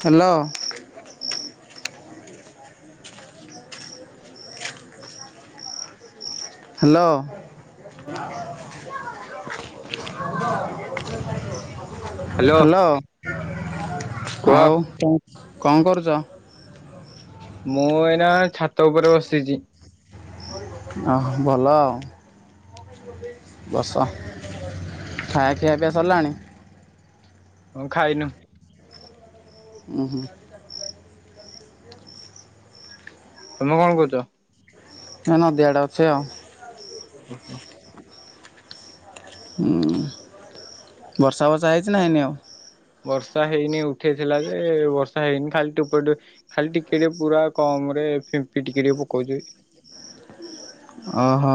Hello. Hello. Hello କୁହ ଆଉ କଣ କରୁଚ? ମୁଁ ଏଇନା ଛାତ ଉପରେ ବସିଚି। ଓହ ଭଲଆଉ। ବସ ଖାଇବା ଖିଆ ପିଆ ସରିଲାଣି। ହଁ ଖାଇନୁ। ଉ ହୁଁ। ତମେ କଣ କହୁଛ? ହେରା ନଦୀ ଆଡେ ଅଛି ଆଉ। ଓହୋ। ହୁଁ। ବର୍ଷା ଫର୍ଷା ହେଇଛି ନା ହେଇନି ଆଉ। ବର୍ଷା ହେଇନି ଉଠେଇଥିଲା ଯେ ବର୍ଷା ହେଇନି ଖାଲି ଟୁ୍ପରୁ ଟୁ ଖାଲି ଟିକିଏ ଟିକେ ପୁରା କମ୍ରେ ଫିମ୍ପି ଟିକିଏ ଟିକେ ପଉଛି। ଓହୋ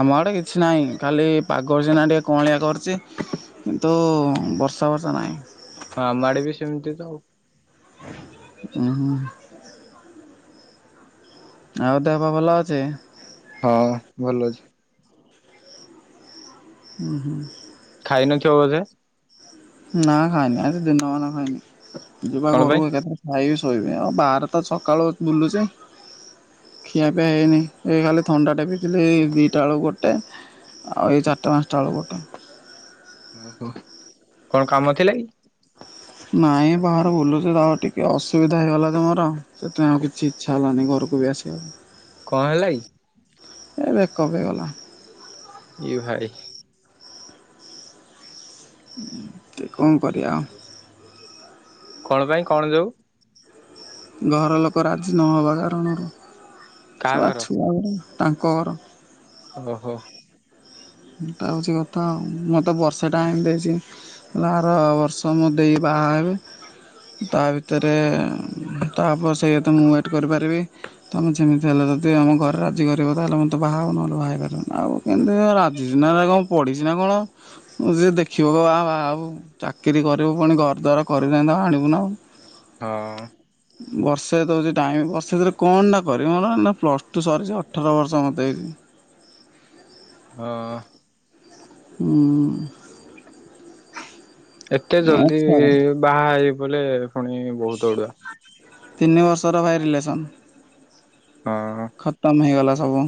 ଆମ ଆଡ଼େ କିଛି ନାହିଁ ଖାଲି ପାଗ ସିନା ଟିକେ କଅଁଳିଆ କରଚି। କିନ୍ତୁ ବର୍ଷା ବର୍ଷା ନାହିଁ। ଆ ଆଡେ ବି ସେମିତି ତ ଆଉ। ଉହୁଁ। ଆଉ ଦେହ ପା ଭଲ ଅଛି? ହଁ ଭଲ ଅଛି। ଉ ହୁଁ। ଖାଇ ନଥିବ ବୋଧେ? ନା ଖାଇନି ଆଜି ଦିନମାନ ଖାଇନି ଯିବା କଣ ପାଇଁ ଘରୁ କୁ ଏକାଥରେ। ଖାଇବି ଶୋଇବି ଆଉ ବାହାରେ ତ ସକାଳୁ ବୁଲୁଚେ ଖିଆ ପିଆ ହେଇନି ଏ ଖାଲି ଥଣ୍ଡାଟେ ପିଥିଲି ଦିଇଟା ବେଳକୁ ଗୋଟେ ଆଉ ଏଇ ଚାରିଟା ପାଞ୍ଚଟା ବେଳ କୁ ଗୋଟେ। ଓହୋ କଣ କାମ ଥିଲା କି? ନାଇଁ ବାହାର ବୁଲୁଛି ତ ଆଉ ଟିକେ ଅସୁବିଧା ହେଇଗଲା ତ ମୋର ସେଥିପାଇଁ ଆଉ କିଛି ଇଚ୍ଛା ହେଲାନି ଘରକୁ ବି ଆସିବାକୁ। କ ହେଲା କି? ଏଇ ବେକପ୍ ହେଇଗଲା। ଇଏ ଭାଇ କଣ କରିବା ଆଉ କଣ ପାଇଁ କଣ ଯୋଉ? ଘର ଲୋକ ରାଜି ନହବା କାରଣରୁ କାହା ସଳା ଘର ଛୁଆ ଗୁରା ତାଙ୍କ ଘର ଓହୋ। ଏଇଟା ହଉଛି କଥା ଆଉ ମୋତେ ବର୍ଷେ ଟାଇମ ଦେଇଛି। ଆର ବର୍ଷ ମୋ ଦେଇ ବାହା ହେବେ ତା ଭିତରେ ତ ଆବଶ୍ୟକତା ମୁଁ ୱେଟ୍ କରିପାରିବି ତମେ ଯେମିତି ହେଲେ ଯଦି ଆମ ଘରେ ରାଜି କରିବ ତାହେଲେ ମତେ ବାହା ହବ ନହେଲେ ବାହ ହେଇ ପାରିବନି ଆଉ କେମିତି ରା ଜିଜି ନାର କଣ ପଢିଛି ନା କଣ ଯିଏ ଦେଖିବ କହିବ ଆ ବହାହବୁ। ଚାକିରି କରିବୁ ପୁଣି ଘର ଦ୍ୱାର କରିଥାନ୍ତୁ ତ ଆଣିବୁ ନା ଆଉ ହଁ। [unintelligible] ବର୍ଷେ ଦଉଛି ଟାଇମ୍ ବର୍ଷେ ଭିତରେ କଣଟା କରିବି ମୋର ଏଇନା ପ୍ଲସ୍ ଟୁ ସରିଛି ଅଠର ବର୍ଷ ମୋତେ ହେଇଛି। ଅ। ହୁଁ। ଏତେ ଆଉ ଜଲ୍ଦୀ ଛାଡ଼ ବାହାହେଇ ପଇଲେ ଫୁଣି ତିନି ବର୍ଷର ଭାଇ ରିଲେସନ। ହଁ ଖତମ ହେଇଗଲା ସବୁ।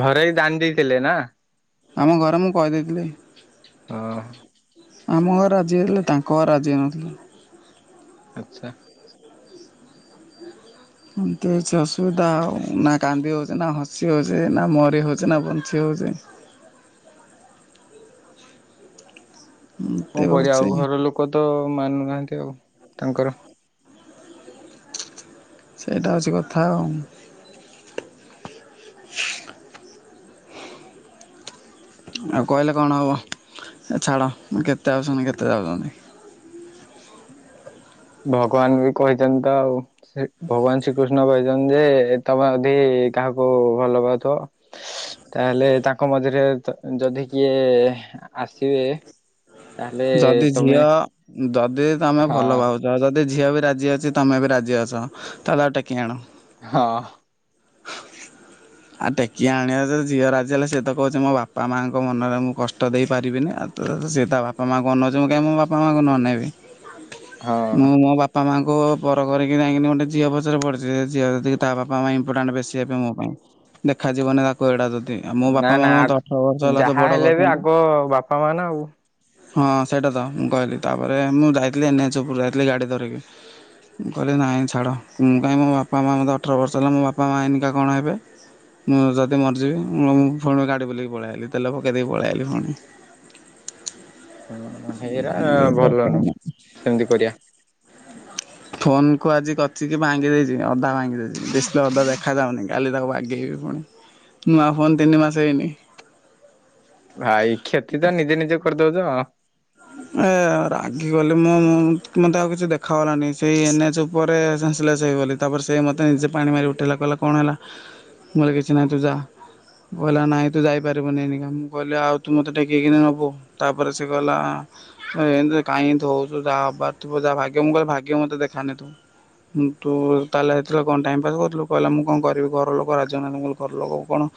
ଘରେ ଜାଣି ଦେଇଥିଲେ ନା। ଆମ ଘରେ ମୁଁ କହିଦେଇଥିଲି। ଅ। ଆମ ଘରେ ରାଜି ହେଇଥିଲେ ତାଙ୍କ ଘରେ ରାଜି ହେଇନଥିଲେ। ଆଛା। ଏମିତି କିଛି ଅସୁବିଧା ଆଉ ନା କାନ୍ଦି ହଉଛି ନା ହସି ହଉଛି ନା ମରି ହଉଛି ନା ବଞ୍ଚି ହଉଛି। କଣ ଏମିତି କରିବା ହଉଛି ଆଉ ଘର ଲୋକ ତ ମାନୁନାହାନ୍ତି ଆଉ ତାଙ୍କର‌ ସେଇଟା ହଉଛି କଥା ଆଉ। ଆଉ କହିଲେ କଣ ହବ ଏ ଛାଡ କେତେ ଆଉଛନ୍ତି କେତେ ଯାଉଛନ୍ତି‌। ଭଗବାନ ବି କହିଛନ୍ତି ତ ଆଉ। ଭଗବାନ ଶ୍ରୀକୃଷ୍ଣ କହିଛନ୍ତି ଯେ ତମେ ଯଦି କାହାକୁ ଭଲ ପାଉଥିବ ତାହେଲେ ତାଙ୍କ ମଝିରେ ଯଦି କିଏ ଆସିବେ ତାହେଲେ ଯଦି ତମେ ଝିଅ ଦଦି ତମେ ହଁ ଭଲପାଉ ଯଦି ଝିଅ ବି ରାଜି ଅଛି ତମେ ବି ରାଜି ଅଛ ତାହେଲେ ଆଉ ଟେକି ଆଣ। ହଁ। ଆଉ ଟେକି ଆଣିବ ଯେ ଝିଅ ରାଜି ହେଲେ ସିଏ ତ କହୁଛି ମୋ ବାପା ମାଆଙ୍କ ମନରେ ମୁଁ କଷ୍ଟ ଦେଇପାରିବିନି ଆଉ। ସିଏ ତା ବାପା ମାଙ୍କୁ ଅନଉଛି ମୁଁ କାାଇଁ ମୋ ବାପା ମାଙ୍କୁ ନ ଅ ନେଇବି, ହଁ ମୁଁ ମୋ ବାପ ବାପା ମାଙ୍କୁ ପରକରିକିଯାଇକି ଗୋଟେ ଝିଅ ପଛରେ ପଡ଼ିଛି ସେ ଝିଅ ଯଦି ତା ବାପା ମା ଇମ୍ପୋର୍ଟାଣ୍ଟ ବେଶୀ ହେବେ ମୋ ପାଇଁ ଦେଖାଯିବନି ତାକୁ ଏଇଟା ଯଦି ଆଉ ମୋ ନା ବାପା ମା ନା ମତେ ଅଠର ବର୍ଷ ଆଗ ହେଲା ଯୋଉ ଯାହା ବଡ଼ ହେଲେ ବି କରିଛନ୍ତି। ଆଗ ବାପା ମା ନା ଆଉ। ହଁ, ସେଇଟା ତ ମୁଁ କହିଲି ତାପରେ ମୁଁ ଯାଇଥିଲି ଏନ୍ ଏଚେ୍ ଉପରକୁ ଯାଇଥିଲି ଗାଡି ଧରିକି। ମୁଁ କହିଲି ନାଇଁ ଛାଡ, ମୁଁ କାଇ ମୋ ବାପା ମା ମୋତେ ଅଠର ବର୍ଷ ହେଲା ମୋ ବାପା ମା ହେଇନିକା କଣ ହେବେ। ମୁଁ ଯଦି ମରିଯିବି, ମୁଁଁ ପୁଣି ଗାଡ଼ି ବୁଲିକି ପଳେଇ ଆଇଲି ତେଲେ ପକେଇ ଦେଇକି ପଳେଇଲି ପୁଣି। ହଁ ହେଇରା ଭଲ ନୁହଁ ସେମିତି କରିବା [unintelligible] ଫୋନ କୁ ଆଜି କଚି କି ଭାଙ୍ଗି ଦେଇଛି ଅଧା ଭାଙ୍ଗି ଦେଇଛି ଡିସପ୍ଲେ ଅଧା ଦେଖାାଯାଉନି। କାଲି ତାକୁ ବାଗେଇବି ପୁଣି, ନୂଆ ଫୋନ୍ ତିନି ମାସ ହେଇନି। ଭାଇ, କ୍ଷତି ତ ନିଜେ ନିଜେ କରିଦଉଛ। ଏ ରାଗିଗଲି ମୁଁ ମତେ ଆଉ କିଛି ଦେଖାାଗଲାନି ସେଇ ଏନ୍ ଏଚେ୍ ଉ ପରେ ମେନ୍ସ ଲେସ ହେଇ ଗଲି ତାପରେ ସେ ମତେ ନିଜେ ପାଣି ମାରି ଉଠେଇଲା କହିଲା କଣ ହେଲା। ମୋର କିଛି ନାହିଁ ତୁ ଯାଆ। କହିଲା ନାଇଁ ତୁ ଯାଇପାରିବୁନି ଏଇନିକା ମୁଁ କହିଲି ଆଉ ତୁ ମତେ ଟେେକିରି ନବୁ। ତାପରେ ସେ ଗଲା ଏମତି କାଇଁଏମିତି ହଉଛୁ ଯାହା ହବାର ଥିବ ଯହା ଭାଗ୍ୟ ମୁଁ କହିଲି ଭାଗ୍ୟ ମତେ ଦେଖାନି ତୁ। ତୁ ତାହେଲେ ହେଇଥିଲା କଣ ଟାଇମ ପାସ୍ କରୁଥିଲୁ କହିଲା ମୁଁ କଣ କରିବି ଘର ଲୋକ ରାଜି ହେଉନାହାଁନ୍ତି, ମୁ କହିଲି ଘର ଲୋକକୁ କଣ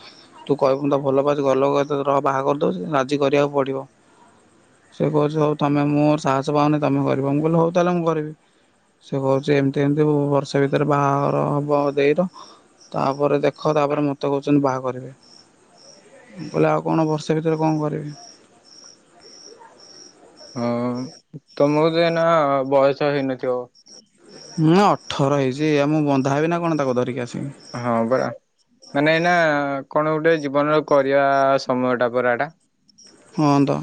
ତୁ କହିବୁ ମୁଁ ତ ଭଲପାଉଛି ଘର ଲୋକ ଏତେ ରହ ବାହା କରିଦେଉଛି, ରାଜି କରିବାକୁ ପଡିବ। ସେ କହୁଛି ହଉ ତମେ ମୋର ସାହସ ପାଉନି ତମେ କରିବ ମୁଁ କହିଲି ହଉ ତାହେଲେ ମୁଁ କରିବି। ସେ କହୁଛି ଏମିତି ଏମତି ବର୍ଷ ଭିତରେ ବାହାଘର ହବ ଦେଇର ତାପରେ ଦେଖ ତାପରେ ମତେ କହୁଛନ୍ତି ବାହା କରିବେ। ମୁଁ କହିଲି ଆଉ କଣ ଵର୍ଷେ ଭିତରେ କଣ କରିବି। ଅ ତମକୁ ତ ଏଇନା ବୟସ ହେଇନଥିବ? ହଁ ଅଠର ହେଇଚି ଆଉ ମୁଁ ବନ୍ଧା ହେବି ନା କଣ ତାକୁ ଧରିକି ଆସିକି। ହଁ ବା ମାନେ ଏଇନା କଣ ଗୋଟେ ଜୀବନର କରିବା ସମୟ ଟା ପରା ଏଟା। ହଁ ତ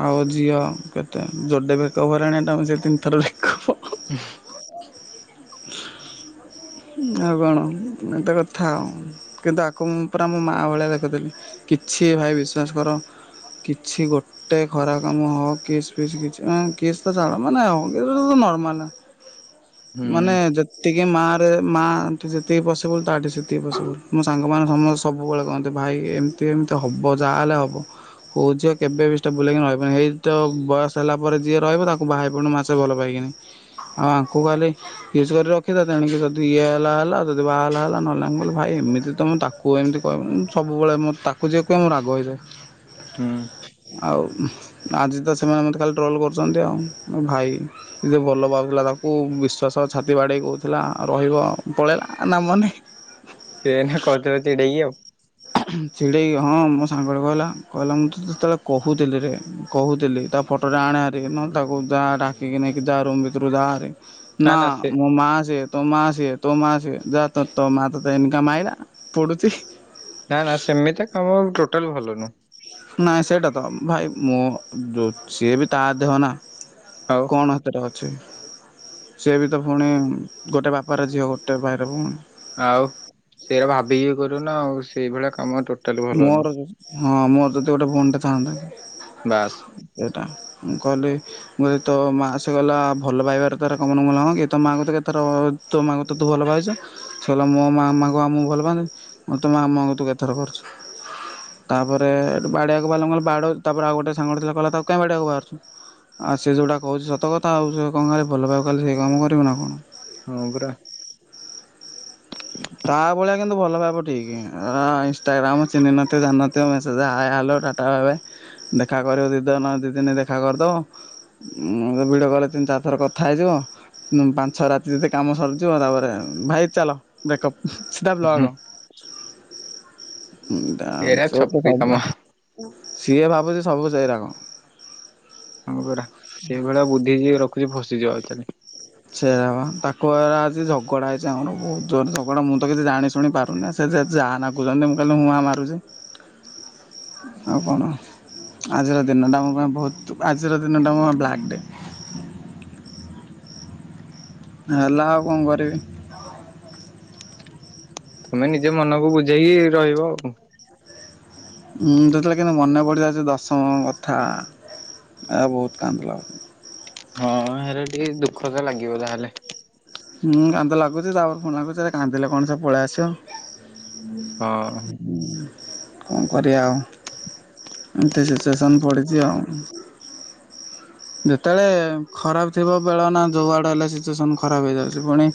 ଆଉ ଝିଅ କେତେ ଯୋଡେ ବ୍ରେକଅପ ହେଲାଣି ଏଟାକୁ ମିଶେଇ କି ତିନିଥର ବ୍ରେ [unintelligible] ଆଉ କଣ ଏତେ କଥା ଆଉ କିନ୍ତୁ ଆକୁ ମୁଁ ପୁରା ମୋ ମା ଭଳିଆ ଦେଖୁଥିଲି। କିଛି ଭାଇ ବିଶ୍ଵାସ କର କିଛି ଗୋ ଗୋଟେ ଖରା କାମ ହଉ କିସ୍ ଫିସ୍ କିଛି କିସ୍ ତ ଛାଡ଼ ମନେ ନର୍ମାଲ ହୁଁ ମାନେ ଯେତିକି ମା ମାଠି ଯେତିକି ପସିବୁଲ୍ ତାଠି ସେତିକି ପସିବୁଲ୍ ମୋ ସାଙ୍ଗମାନେ ସମସ୍ତେ ସବୁବେଳେ କହନ୍ତି ଭାଇ ଏମ ଏମିତି ହବ ଯାହା ହେଲେ ହବ। କହୁ ଝିଅ କେବେବି ଷ୍ଟବ୍ଲେଲ ସେଇକି ରହିବନି ଏଇତ ବୟସ ହେଲା ପରେ ଯିଏ ରହିବ ତାକୁ ବାହା ହେଇପଡ଼ିଲୁ ମା ଭଲ ପାଇକିନି ଆଉ ଆୁ କାଲି କିସ୍ କରି ରଖିଥା ତେଣିକି ଇଏ ହେଲା ହେଲା ଯଦି ବାହା ହେଲା ହେଲା ନହେଲେ ନାହିଁ ଭାଇ ଏମିତି ତ ମୁଁ ତାକୁ ଏମିତି କ ସବୁବେଳେ ମୋର ତାକୁ ତକୁଜେ କୁହେ ମୋର ରାଗ ହେଇଯାଏ ହୁଁ ଆଉ ଆଜି ତ ସେମାନେ ମତେ ଖାଲି ଟ୍ରୋଲ କରୁଚନ୍ତି। ଆଉ ମୋ ଭାଇ ଯେ ଭଲ ପାଉଥିଲା ତାକୁ ବିଶ୍ୱାସ ଛାତି ବାଡ଼େଇ କହୁଥିଲା ରହିବ ପଳେଇଲା ନାମ ନେ। ସିଏ କହୁଥିବ ଚିଡେଇକି ଆଉ। ଛଚିଡ଼େଇ ହଁ ମୋ ସାଙ୍ଗେ କହିଲା କହିଲା ମୁଁ ତ ଯେତେବେଳେ କହୁଥିଲି ରେ କହୁଥିଲି ତା ଫଟୋଟା ଆଣ ହେରି ନ ତାକୁ ଯାଇକି ନେଇକି ଯା ରୁମ୍ ଭିତରୁ ଯାଆହାରି। ନା ମୋ ମା ସିଏ ତୋ ମା ସିଏ। ତୋ ମା ସିଏ ଯା ତ ମା ତତେ ଆଇନିକା ମାଇଲା ପଡୁଚି। ନା ନା ସେମିତି କାମ ଟୋଟାଲ ଭଲ ନୁହଁ। ନାଇଁ ସେଇଟା ତ ଭାଇ ମୁଁ ଯଉ ସିଏ ବି ତା ଦେହ ନା। ଆଉ। କଣ ସେଥିରେ ଅଛି ସିଏ ବି ତ ପୁଣି ଗୋଟେ ବାପାର ଝିଅ ଗୋଟେ ଭାଇର ଭଉଣି। ଆଉ ସେଇଆ ଭାବିକି ଇଏ କରିବୁନା ଆଉ ସେଇଭଳିଆ କାମ ଟୋ ମୋର ହଁ ମୋର ଯଦି ଗୋଟେ ଭଉଣୀ ଟେ ଥାନ୍ତା। ବାସ୍। ସେଇଟା ମୁଁ କହିଲି ମୁଁ ଏଇତ ମା ସେ ଗଲା ଭଲ ପାଇବାର ତାର [unintelligible] ମୁଁ କହିନି ହଁ କି ତୋ ମାକୁ ତୁ କେତ ଥର ତୋ ମା କୁ ତୁ ତୋ ଭଲ ପାଉଚୁ। ସେ କହିଲା ମୋ ମାମା କୁ ଆଉ ମୁଁ ଭଲ ପାଆନ୍ତିନି। ମୁଁ ତ ମାମା ଙ୍କୁ ତୁ କେତଥର କରଛୁ। ତାପରେ ବାଡିଆକୁ ବାହାରିଲା, ମୁଁ କହିନି ବାଡଉ, ତାପରେ ଆଉ ଗୋଟେ ସାଙ୍ଗ ଗୋଟେ ଥିଲା କହିଲା ତାକୁ କାହିଁ ବାଡିଆକୁ ବାହାରଛୁ। ଆଉ ସେ ଯୋଉଟା କହୁଚି ସତ କଥା ଆଉ ସେ କଣ ଖାଲି ଭଲ ପାଇବ ଖାଲି ସେଇ କାମ କରିବୁନା କଣ। ହଁ ପରା। ତା ଭଳିଆ କିନ୍ତୁ ଭଲ ପାଇବ ଠିକି। ଅ, ଇନଷ୍ଟାଗ୍ରାମ ଚିହ୍ନି ନଥିବ ଜାନ ନଥିବ ମେସେଜ ହାଏ, ହାଲୋ ରା ତା ଭାବେ ଦେଖା କରିବ ଦି ଦନ ଦି ଦିନ ଦେଖା କରିଦବ। [inaudible] ଭିଡିଓ କଲ୍ ରେ ତିନ ଚାର ଥର କଥା ହେଇଯିବ। ହୁଁ ପାଞ୍ଚ ଛଅ ରାତି ରେ ସେ କାମ ସରିଯିବ। ତାପରେ ଭାଇ ଚାଲ ବ୍ରେକପ୍ ସିଧା ହୁଁ ବ୍ଲକ୍। ହୁଁ, ତା ଏରା ସେ ତ ଛପରି କାମ ସବୁ, ସିଏ ଭାବୁଚି ସବୁ ସେଇ ରକ। ହଁ ପରା ସେ ଭଳିଆ ବୁଦ୍ଧି ଯିଏ ରଖୁଚି ଫସିଯିବ ଆକ୍ଚୁଲି। ସେୟା ପା ତାକୁ ଏରା ଆଜି ଝଗଡ଼ା ହେଇଚି, ଆମର ବହୁତ ଜୋରରେ ଝଗଡ଼ା। ମୁଁ ତ କିଛି ଜାଣି ଶୁଣି ପାରୁନି ଆ ସେ ଯେ ଯା ନା କହୁଚନ୍ତି ନାଇଁ ମୁଁ କହିନି ତ ମୋ ମା ମାରୁଚି। ଆଉ କଣ। ଆଜିର ଦିନଟା ମୋ ପାଇଁ ବହୁତ, ଆଜିର ଦିନଟା ମୋ ଵ୍ଲାକ୍ ଡେ। ହେଲା ଆଉ କଣ କରିବି। ତୁମେ ନିଜ ମନକୁ ବୁଝେଇକି ରହିବ ଆଉ କଣ। ଉଁ, ଯେଉତେବେଳେ କିନ୍ତୁ ମନେ ପଡିଯାଉଚି ଦଶମ କଥା। ଏ ବହୁତ କାନ୍ଦ ଲାଗୁଚି। ହଁ ହେଲେ ଟିକେ ଦୁଃଖ ତ ଲାଗିବ ଯାହେଲେ। ହୁଁ, କାନ୍ଦ ଲାଗୁଚି, ତାପରେ ପୁଣି ଲାଗୁଚି ଆରେ କାନ୍ଦେ କଣ ସେ ପଳେଇ ଆସିବ। ହଁ। କଣ କରିବା ଆଉ ଏମତି ସିଚୁଏସନ୍ ପଡିଚି ଆଉ। ଯେତେବେଳେ ଖରାପ ଥିବ ବେଳ ନା ଯୋଉ ଆଡେ ହେଲେ ସିଚୁଏସନ ଖରାପ ହେଇଯାଉଛି। ପୁଣି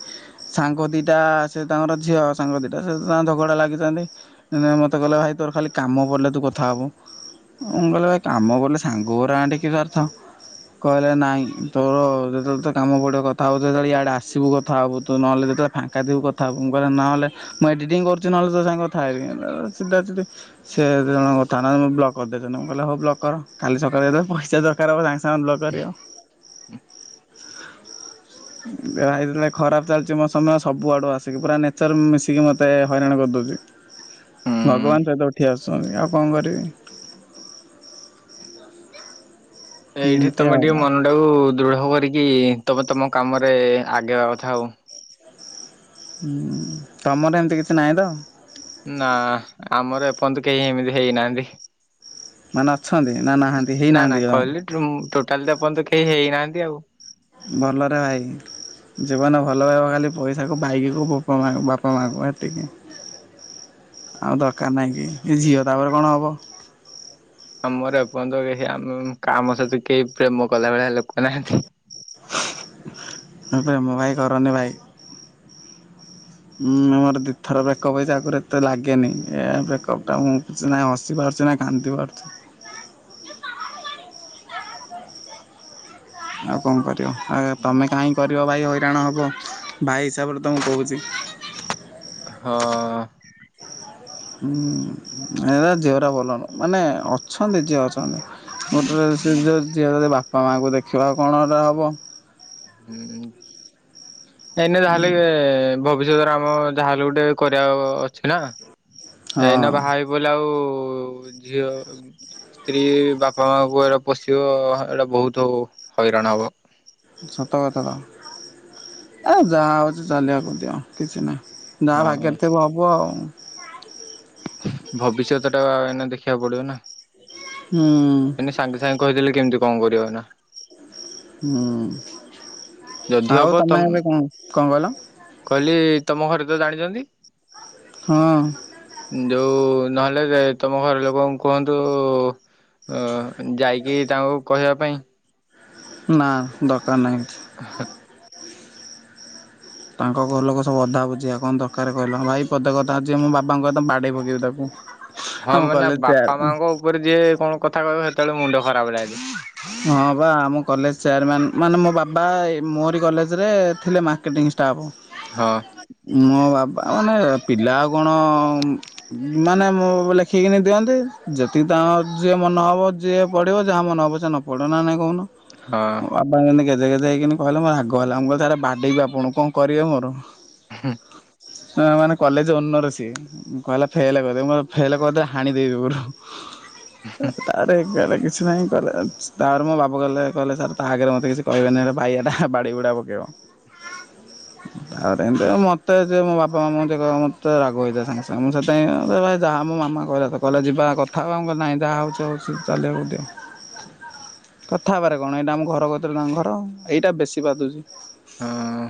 ସାଙ୍ଗ ଦିଟା ସେ ତାଙ୍କର ଝିଅ ସାଙ୍ଗ ଦିଟା ସେ ତାଙ୍କ ଝଗଡା ଲାଗିଛନ୍ତି। ଦିନେ ମୋତେ କହିଲା ଭାଇ ତୋର ଖାଲି କାମ ପଡିଲେ ତୁ କଥା ହବୁ। ମୁଁ କହିଲି ଭାଇ କାମ କଲେ ସାଙ୍ଗ ଗୁରା ଟେକି ପାରୁଛ। କହିଲେ ନାଇଁ ତୋର ଯେତେବେଳେ ତୋ କାମ ପଡ଼ିବ କଥା ହବୁ। ତୁ ଯେତେବେଳେ ଇଆଡ଼େ ଆସିବୁ କଥା ହବୁ। ତୁ ନହେଲେ ଯେତେ ଫାଙ୍କା ଥିବୁ କଥା ହବୁ। ମୁଁ କହିଲି ନହେଲେ ମୁଁ ଏଡିଟିଂ କରୁଛି ନହେଲେ ତ ସାଙ୍ଗେ କଥା ହେବି। ଅ, ଚିଡା ଚିଡି ସେ ଦି ଜଣ କଥା ନ ହଉ ମୁଁ ବ୍ଲକ୍ କରିଦେଇଥିନି। ମୁଁ କହିଲି ହଉ ବ୍ଲକ୍ କର। କାଲି ସକାଳେ ତ ପଇସା ଦରକାର ହବ ଜାଣି ଆନ ଲ କରିବ। ଯାହା ହେଇଥିଲା ଖରାପ ଚାଲିଚି ମୋ ସମୟ ସବୁ ଆଡୁ ଆସିକି ପୁରା ନେଚର ମିଶିକି ମୋତେ ହଇରାଣ କରିଦଉଚି। ହୁଁ। ଭଗବାନ ସହିତ ଉଠି ଆସୁଛନ୍ତି, ଆଉ କଣ କରିବି। ଏଇଠି ଏମିତି ତୋମେ ଆଉ। ଟିକେ ମନ ନକୁ ଦୃଢ଼ କରିକି ତୋମେ ତୋମ କାମରେ ଆଗେଇବା କଥା ଆଉ। ଉଁ, ତୋମର ଏମିତି କିଛି ନାହିଁ ତ? ନା ଆମର ଏପର୍ଯ୍ୟନ୍ତ କେହି ଏମିତି ହେଇନାହାନ୍ତି। ମାନେ ଅଛନ୍ତି ନା ନାହାନ୍ତି ନା ନା ହେଇନାହାନ୍ତି କହିଲି କଣ? ଟୋଟାଲି ତ ଏପନ୍ତ ତ କେହି ହେଇନାହାନ୍ତି ଆଉ। ଭଲରେ ଭାଇ। ଜୀବନ ଭଲ ପାଇବା ଖାଲି ପଇସାକୁ ବାଇକିକୁ ବୋପା ମା ବାପା ମାଙ୍କୁ ଏତିକି। ଆଉ ଦରକାର ନାହିଁ କେହି, ଏ ଝିଅ ତାପରେ କଣ ହବ। ଆମର ଏପନ୍ତ କେହି ଆମ କାମ ସହିତ କେହି ପ୍ରେମ କଲା ଭଳିଆ ଲୋକ ନାହାନ୍ତି। ହଁ ପ୍ରେମ ଭାଇ କରନି ଭାଇ। ଉଁ, ମୋର ଦିଥର ବ୍ୟାକଅପ୍ ହେଇଛି। ଆଗରୁ ଏତେ ଲାଗେନି ଏ ବ୍ରେକଅପ୍ ଟା ମୁଁ ନାଇ ହସି ପାରୁଚୁ ନା କାନ୍ଦି ପାରୁଛୁ। ଆଉ କଣ କରିବ। ଆ, ତୋମେ କାହିଁ କରିବ ଭାଇ ହଇରାଣ ହବ, ଭାଇ ହିସାବରେ ତୋମକୁ କହୁଛି। ହଁ। ହୁଁ, ଏଟା ଝିଅଟା ଭଲ ନୁହଁ, ମାନେ ଅଛନ୍ତି ଯିଏ ଅଛନ୍ତି। ଗୋଟେ ଯଦି ସେ ଯେ ଝିଅ ଯଦି ବାପା ମାଙ୍କୁ ଦେଖିବ ଆଉ କଣ ସେଟା ହବ। ହୁଁ। ଏଇନେ ଯାହେଲେ-ଏଁ ଭବିଷ୍ୟତରେ ଆମ ଯାହାହେଲେ ଗୁଟେ କରିବା ଅଛି ନା? ଏଇନା ବାହା ହଁ ହେଇପଇଲେ, ଆଉ ଝିଅ ସ୍ତ୍ରୀ ବାପା ମାଙ୍କୁ ଏଇଟା ପୋଷିବ ଏଇଟା ବହୁତ ହଇରାଣ ହବ। ସତ କଥା ତ! ଏ ଯାହା ହଉଛି ଚାଲିବାକୁ ଦିଅ। କିଛି ନାହିଁ? ଯାହା ହଁ ଭାଗ୍ୟରେ ଥିବ ହବ ଆଉ। ଭବିଷ୍ୟତ ଟା-ଆ ଏନା ଦେଖିଆ ପଡିବ ନା! ହୁଁ। ମାନେ ସାଙ୍ଗେ ସାଙ୍ଗେ କହିଥିଲେ, କେମିତି କଣ କରିବ ଏନା? ହୁଁ, ଯଦି ହବ ଆଉ ତମେ ତମ ଏବେ କଣ, କଣ କହିଲ? କହିଲି, ତମ ଘରେ ତ ଜାଣିଛନ୍ତି? ହଁ। ଯଉ-ଉ ନହେଲେ ତମ ଘର ଲୋକଙ୍କୁ କୁହନ୍ତୁ-ଉ ଅ ଯାଇକି ତାଙ୍କୁ କହିବା ପାଇଁ। ନା, ଦରକାର ନାହିଁ! [inaudible] ତାଙ୍କ ଘର ଲୋକ ସବୁ ଅଧା ବୁଝିଆ। କଣ ଦରକାର କହିଲ? ଭାଇ ପଦେ କଥା ଅଛି, ମୋ ବାବାଙ୍କ କ ତ ବାଡେଇ ପକେଇବେ ତାକୁ। ହଁ ଆମ ମାନେ କଲେ ବାପା ତେୟାର ମାଙ୍କ ଉପରେ ଯିଏ କଣ କଥା କହିବ? ହେତେବେଳେ ମୁଣ୍ଡ ଖରାପ ରାଗେ। ହଁ, ବା ଆମ କଲେଜ ଚେୟାରମ୍ୟାନ୍। ମାନେ, ମୋ ବା ମୋରି କଲେଜରେ ଥିଲେ ମାର୍କେଟିଙ୍ଗ ଷ୍ଟାପ। ହଁ। ମୋ ବାବା ମାନେ ପିଲା ଆଉ କଣ-ଅ-ଅଁ ମାନେ ମୁଁ ବି ଲେଖିକିନି ଦିଅନ୍ତି। ଯେତିକି ତାଙ୍କ ଯିଏ ମନ ହବ, ଯିଏ ପଢିବ ଯାହା ମନ ହବ ସେ ନ ପଢ଼ ନା ନାହିଁ କହୁନ? ମୋ ହଁ। ବାବା [unintelligible] ଗେଜେ ଗେଜେ ହେଇକିନି କହିଲେ, ମୋର୍ ରାଗ ହେଲା। ମୁଁ କହିଲି ସାରା ବାଡ଼େଇବି ଆପଣଙ୍କୁ କଣ କରିବେ ମୋର୍? ହୁଁ। ହଁ, ମାନେ କଲେଜେ ଓନର ସିଏ। କହିଲା ଫେଲ୍ କରିଦେ। ମୁଁ କଲି ଫେଲ୍ କରିଦେ ହାଣି ଦେବି ପୁରୁ। ସାରେ [unintelligible] କଲେଜ୍। ତା'ପରେ ମୋ ବାପୁ କହିଲେ, କହିଲେ ସାର୍ ତା ଆଗରେ ମୋତେ କିଛି କହିବେନି? ହେଟା, ବାଇଆ ଟା ବାଡ଼େଇ ବୁଡ଼ା ପକେଇବ। [inaudible] ତା'ପରେ ଏମିତି ଆଉ ମୋତେ ଯିଏ, ମୋ ବାପ ମାମାଙ୍କୁ ଯିଏ କହିବ, ମତେ ରାଗ ହେଇଯାଏ ସାଙ୍ଗେ ସାଙ୍ଗେ ମୁଁ ସେଥିପାଇଁ ଯାହା ମୋ ମାମା କହିଲା ତ କହିଲା ଯିବା କଥା ହବା, ମୁଁ କହିଲି ନାହିଁ ଯାହା ହୋଉଚି ହୋଉଚି ଚାଲିବାକୁ ଦିଅ। କଥା ହେବାରେ କଣ? ଏଇଟା ଆମ ଘର କତିରେ ତାଙ୍କ ଘର। ଏଇଟା ବେଶୀ ବାଧୁଚି। ହଁ।